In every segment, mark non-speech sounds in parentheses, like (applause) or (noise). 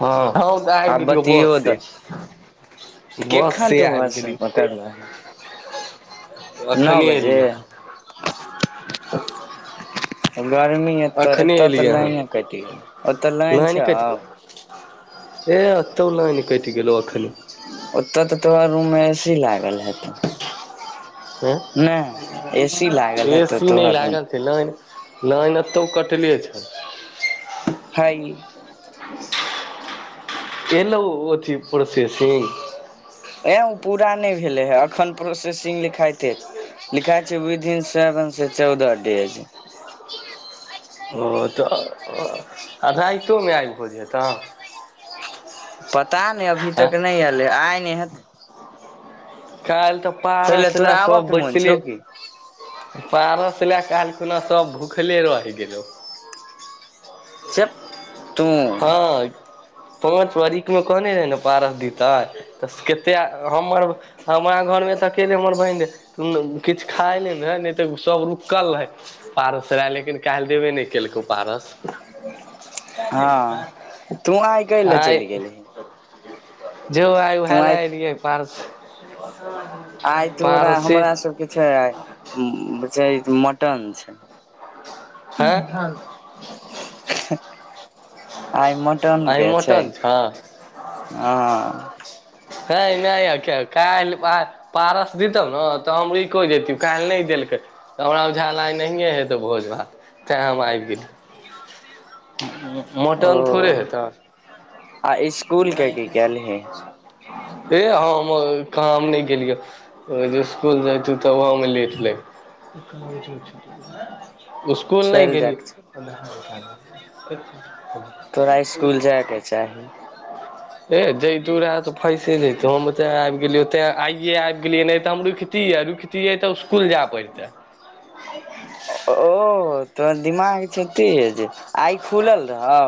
हँ हँ तऽ आबि आब गेलियौ बस बतियौ से तऽ बस केखन से तू आबि बस गेली पकड़ले हे नओ अखने बजे एली हन (unintelligible) गर्मी एऽ अखने एतऽ तऽ एलियै हन लाइने कटि गेल ओतऽ लाइन छै आ ए अतौ उ लाइन कैट गेलौ अखनि ओतऽ तऽ तोरा रूममे ए सी लागल हेत लागल हय हेतौ एसी नहि तोहर रूम लाग गेलल लाइन लाइन एतौ कटले छ हइ एल ओ अथी प्रोसेसिंग ए ओ पूरा नहि भेलै हे एखन प्रोसेसिंग लिखाइते लिखाइ छै विदन सेवन से चौदह डेज ओ तऽ आ राइतोमे आबि हो जेतऽ पता नहि अभी आँ तक नहि अयलै आइ नहि हेतै काल्हि तऽ पहिले पहड़स ल तोरा आबऽ सब के मोन बसली छौ की पारस लएऽलखुना सभ भूखले रहि गेलहु चुप तू हँ पाँच बारख मे कहने रहै ने पारस दतै तऽ कतेक हमर हमरा घरमे तऽ अकेले हमर बहिन रह किछु खा एले ने है नहि तऽ सब रुकल रहै पारस रहय लेकिन काल्हि देबे नहि केलकै ओ पारस हँ तू आइ कै लए आइ चलि गेलही जो आइ उएह लए एयलियै पार्स आइ तोरा हमरा सबके छै छै मटन छै हँ ह भ (unintelligible) आइ मटन आइ के छै मटन छौ हँ (unintelligible) काल्हि बात पारस दितहु ने तऽ हम रुकियो जैतिय काल्हि नहि देलकै तऽ हमरा बुझायल आइ नहिए हेतै भोज भात तैँ हम आबि गेली ओ मटन थोड़े हेतऽ आ स्कुल के की केलही हे हम कहाँ हम नहि गेलियै स्कुल जाइतु तऽ ओहोमे लेट लागि स्कूल नहि चलि गेली जायके छै तोरा स्कूल जायके (inaudible) (inaudible) हे जयतू रेहे तऽ फंसि जैतु हम ओते आबि गेलियौ तेँ आइये आबि गेलियै नहि तऽ हम रुकतियै रूकि तियै तऽ उसकुल जाए पड़ितै ओ तोहर दिमाग छौ तेज आइ खुलल रहौ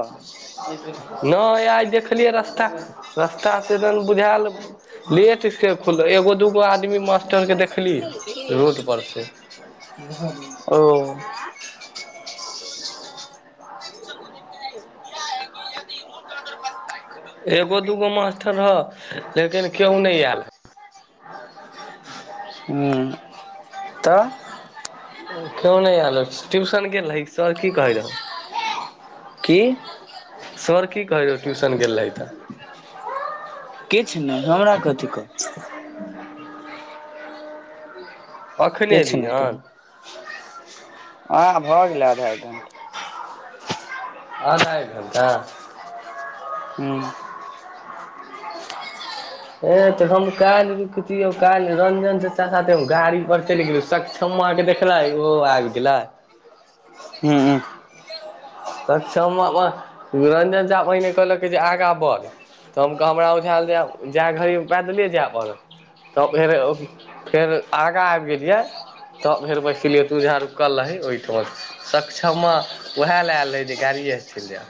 नहि आइ देखलियै रस्ता रस्ता सेदन बुझायल लेटके खुल एगो दूगो आदमी मास्टर के देखली रोड पर से ओ (inaudible) एगो दूगो मास्टर रहऽ लेकिन केओ नहि आयल हूंम्म तऽ केयो नहि आयल ट्यूशन गेल रही सर की कहै रहौ की सर की कहै रहौ ट्यूशन गेल रही तऽ किछु नहि हमरा कथी कहत अखने किछु एलही नहि हन कहै आह भऽ गेलै आधा एक घंटा आधा एक घंटा हूंम्म (inaudible) एह तऽ हम काल्हि रुकितियौ काल्हि रंजन चच्चा साथे हम गाड़ी पर चलि गेलियौ सकरी छम्मा केे देखले आइ ओहो आबि गेलै हूंम्म सक्षम रंजन चा पहिने कहलक जे आगाँ बढ़ तऽ हम कह हमरा बुझायल जाए जे आब जाय घड़ीमे पैदले जाय पड़त तऽ फेर फेर आगाँ आबि गेलियै तब फेर बैसलियै तू जहाँ रुकल रही ओहिठाम सक्षमा उएह ले आएल रहै जे गाड़िए से चलि जेब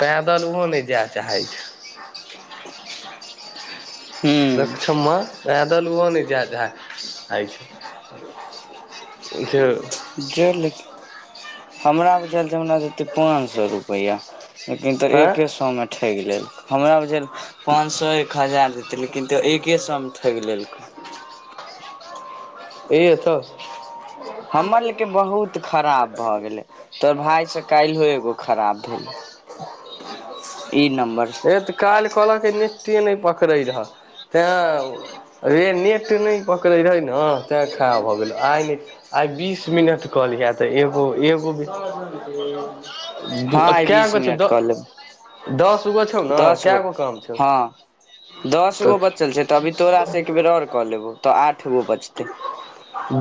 पैदल ओहो नहि जाय चाहै छै (inaudible) सक्षमा पैदल उओ नहि जाय चाहै छै जे जे (unintelligible) लेक हमरा बुझेल जे हमरा देतै पाँच सौ रुपैया लेकिन तऽ हँ एक्के सौमे ठकि लेलक हमरा बुझेल पाँंच सौ एक हजार देतै लेकिन तैयो एके सौ मे ठकि लेलको ईहे तऽ हमर लेके बहुत खराब भऽ गेलै तोहर भाय से काल्हो एगो खराब भेलै ई नम्बर हे तऽ काल्हि कहलक के नेटे नहि पकडै रह तैं रे नेट नहि पकड़े रहे ने तैं खड़ाब भऽ गेलौ आइ नहि आइ बीस मिनट कऽ लिहे तऽ एगो एगो हँ (unintelligible) आइ कै बीस गो छौ मिनट द कऽ लेबै दसगो छौ न कै गो काम छौ हँ दस तऽ गो बचल छै तऽ अभी तोरास से एक बेेर आओर कऽ लेबो तऽ आठ गो बचतै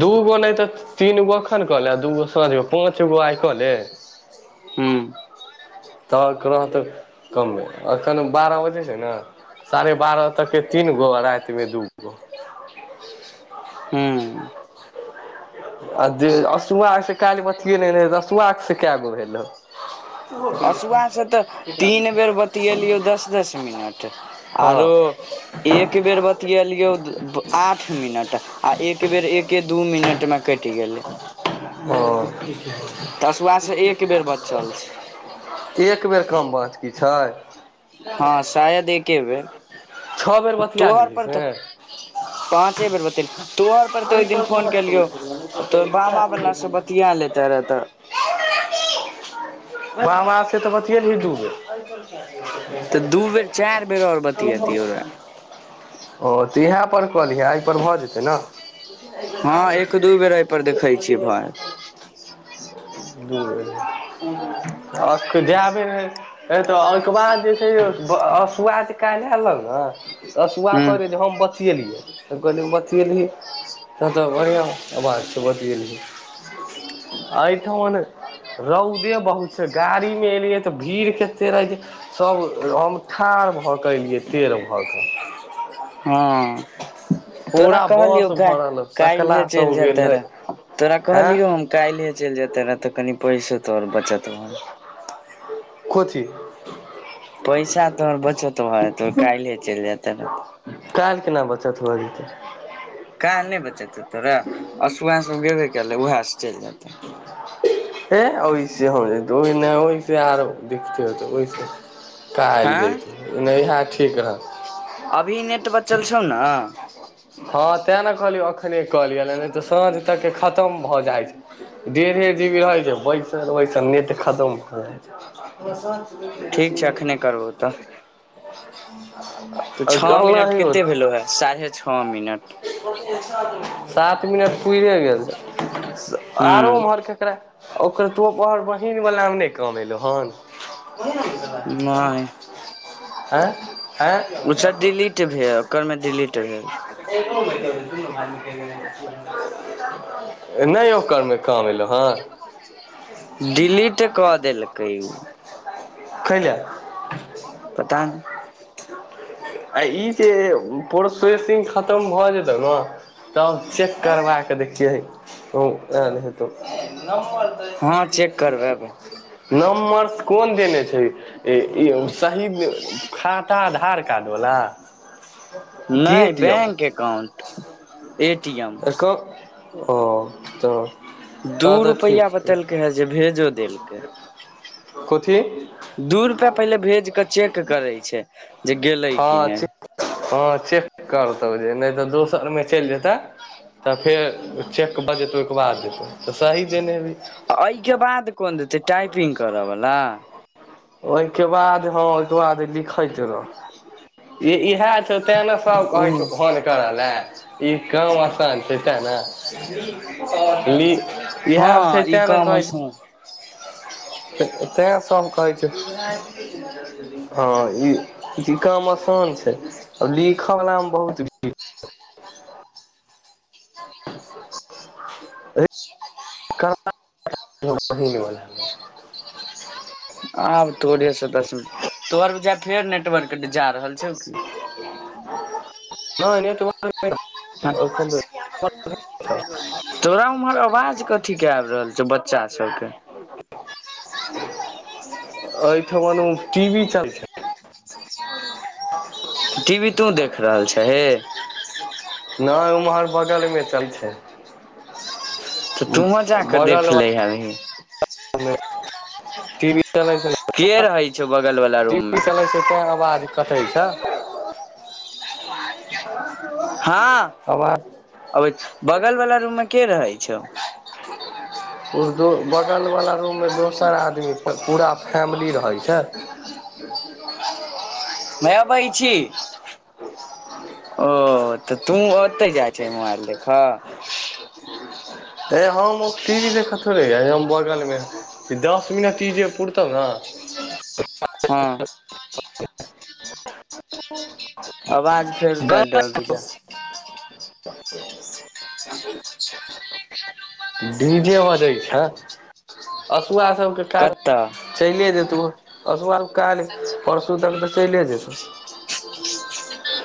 दूगो नहि तऽ तीन गो एखन कऽले आ दूगो साँझ म पाँच गो आइ कऽले ह्म तऽ कोतै कम्मे एखन बारह बजे छै ने साढ़े बारह तक के तीन गो राति मे दू गो हूँ आ जे असुआ से कालहि बथए (unintelligible) नहिसुआ से क गो भेलौ असुआसँ तऽ ठीक राखू तीन बेर बतएलियौ दस दस मिनट आरो एक बेर बतएलियौ आठ मिनट आ एक बेर एके दू मिनटमे कैट गेलै ओ तऽ हँसुआसँ एक बेर बचल छै एक बेर कम बच की छै हँ शायद एके बेे छओ बेर बतिया तोहर गेली पर तऽ से पाँचे बेर बत तोहर पर पर तो ओहि दिन फोन केलियो तोहर बाबा वाला से बतिया ले ताहरा त ब हमा से (unintelligible) तऽ बतियए ने दू ग तऽ दू बेर चारि बेर आओर बतियतियौ रहे ह (inaudible) ओ तऽ इएह पर कऽलिहे एहिपर भऽ जेतै ने हँ एक दू (unintelligible) ज (inaudible) आब जाबे रहै हे तऽ ओहिके बाद जे छै यौसुआ जे काल्हि अलग ने तऽसुआ हूँ कहै रहै जे हम बतिएलिए तऽ कहली हम बतिएली त तऽ बढ़ियां आवाज छै बतीयेलही एहिठामन रौदे बहुत छै गाड़ी मे एलियै तऽ भीड़ केते रहै छै सभ हम ठार भऽ कऽ एलियै टेढ़ भऽ कऽ हँ तोरा पूरा कहलियौ बस भरल सकला कालहे सब चलि गेल जेते रह रहै तोरा कहलियौ हैं हम कालिहे चैल जेतै ने तऽ न कनि पैसेतोहर बचतहऽ कोथि पैसा तोहर बचत भ जेतउ कालहि चलि जेते रह काल्हि केना बचत भ जेतै काल नहि बचेतौ तोरा आसुुआहसभ गेबे कलै उएहसँ चैल जेतै हे ओहिसे ओहि ओहिस आर देखते होतै ओहि काल हँ जैतै नहि इएह ठीक रहय अभी नेट बचल छौ ने हँ तै ने कहलियौ एखने कऽ लियअ नहि तऽ साँझ तक खतम भऽ जाइत छै डेढ़े जी बी रहै छै वैसल वैसल नेट खतम भऽ जाइ छै ठीक छै एखने करबउ तऽ आ कहा (unintelligible) मना ही होत लो है साढ़े छओ मिनट (unintelligible) सात मिनट पुरि गेल हूँ आरो उम्हर केकरा ओकर बड़ बहीन वलामे नहि कामेलहु हन (unintelligible) नहि आँय उऽछ आँय डिलीट भेल ओकरमे डिलीट भेल नहि (inaudible) (unintelligible) नहि ओकरमे काम एलौं हँन डिलीट कऽ देलकै ओ (inaudible) कैला पता नहि आ ई जे प्रोसेसिंग खतम भऽ जेतय न तब चेक करबाए कऽ देखियै हऽ ओ एयल हेतौ हँ चेक करबेबै नम्बर्स कोन देने छै ई ई सही खाता आधार कार्ड वाला नहि bank account A T M कब ओ तऽ दू तब तऽ ठीक रुपया छै बतेलकै हे जे भेज कथी दू रुपैआ पहिले भेज कऽ चेक करै छै जे गेलै कि हँ नहि हँ ठिक करतौ जे नहि तऽ दोसरमे चलि जेता तब फेर चेक भ जेतौ ओहिके बाद जेतौ तऽ सही देने हेभी एहिके बाद कोन देतै टाइपिंग करऽवला ओहिके बाद हँ ओहिके बाद लिखैत रह इ इहै तैं ने सब कहै ओ छौ फोन करऽ ल‌ए ई काम आसान छै तै ने इहै हँ छै ई तै ने काम कहै छै आसान तऽ तै सभ कहै छै हँ ई ई काम आसान छै आ लिखऽ वला मे बहुत भीड़ (unintelligible) आब तोरे से दस मिनट तोहर बुझाइ छो फेर नेटवर्क जा रहल छौ की (inaudible) हं नेटवर्क हँ (inaudible) (unintelligible) तोरा उम्हर आवाज कथी क आब रहल छौ बच्चा सबके एठमन टी भी चल छै (inaudible) टी वी तों देख रहल छ हे नहि उम्हर बगलमे चलै छै तऽ तुआँ जाकऽ देख बगल लै ह अभी मे ट (unintelligible) वी चलै छै के (unintelligible) रहै छौ बगल वाला टी रूम मे वी चलै छै तैँ आवाज कटय छै (unintelligible) हँ आवाज आबैच बगल वाल रूम मे के रहै छौ (inaudible) उर्दू बगलवला रूममे दोसर आदमी पूरा फैमिली रहैत छै हैया अबय छी ओ तऽ तू ओते जाइ छी मोबाइल देखऽ हे हम ओ टीवी देख थोड़े हम बगलमे छी दस मिनट ई जे पुरतौ ने हँ आवाज फेर डर जा डी जेे बजै छ असुआ सबके काज चैले देतौ असुआ काल्हि कतऽ परसू तक तऽ चलि जेतौ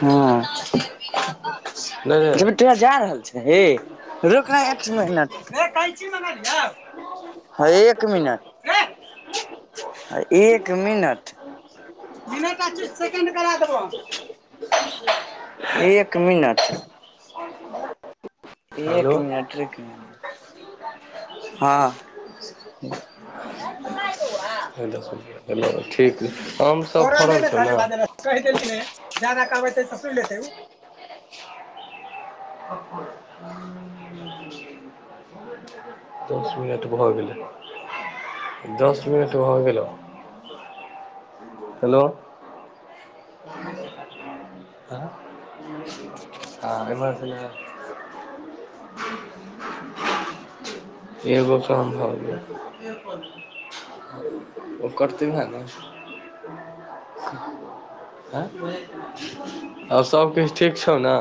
हँ नहि तोरा जा रहल छेहे रुकह एक मीनट हँ एक मिनट एक मिनट एक मिनट ह एक मिनट‌ रूक न हँ हेलो एलौ ठीक आम सभ फड़ल छौ न कहि देली ने ज्यादा कहबे तऽ सुध लेतै ओ क (inaudible) ह (inaudible) दस मिनट भऽ गेलै दस मिनट भऽ गेलह हेलो आमे छल (unintelligible) एगो काम भ गेल ओ करतै वोहा ने आ सबकिछ ठीक छौउ न